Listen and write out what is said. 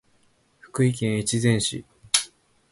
福井県越前市